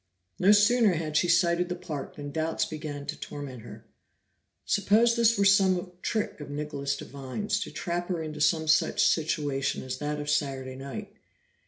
No sooner had she sighted the park than doubts began to torment her. Suppose this were some trick of Nicholas Devine's, to trap her into some such situation as that of Saturday night.